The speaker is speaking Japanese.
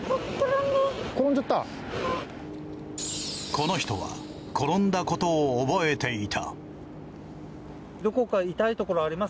この人は転んだことを覚えていた。